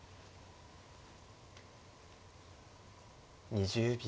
２０秒。